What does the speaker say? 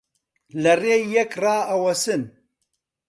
لە ڕێی یەک ڕائەوەسن